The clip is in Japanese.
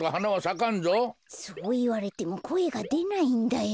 こころのこえそういわれてもこえがでないんだよ。